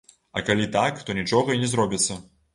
А калі так, то нічога і не зробіцца.